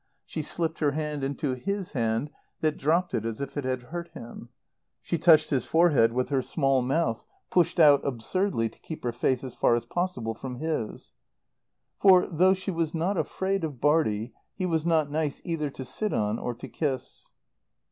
She slipped her hand into his hand that dropped it as if it had hurt him; she touched his forehead with her small mouth, pushed out, absurdly, to keep her face as far as possible from his. For, though she was not afraid of Bartie, he was not nice either to sit on or to kiss.